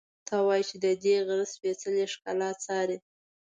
ته وا چې ددې غره سپېڅلې ښکلا څاري.